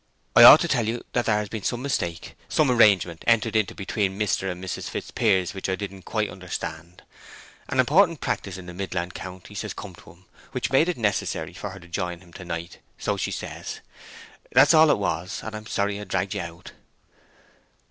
I ought to tell you that there has been some mistake—some arrangement entered into between Mr. and Mrs. Fitzpiers which I didn't quite understand—an important practice in the Midland counties has come to him, which made it necessary for her to join him to night—so she says. That's all it was—and I'm sorry I dragged you out."